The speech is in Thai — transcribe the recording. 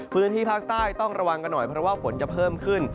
พื้นที่ภาคใต้ต้องระวังกันหน่อยเพราะว่าฝนจะเพิ่มขึ้น